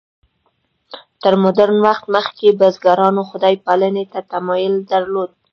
تر مډرن وخت مخکې بزګرانو خدای پالنې ته تمایل درلود.